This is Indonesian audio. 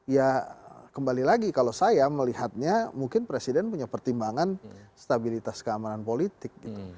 ya kembali lagi kalau saya melihatnya mungkin presiden punya pertimbangan stabilitas keamanan politik gitu